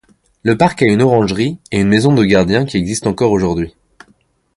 Le parc a une orangerie, et une maison de gardien, qui existe encore aujourd'hui.